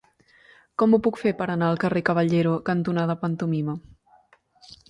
Com ho puc fer per anar al carrer Caballero cantonada Pantomima?